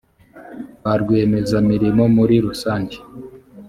ba rwiyemezamirimo muri rusange